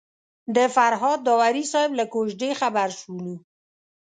د فرهاد داوري صاحب له کوژدې خبر شولو.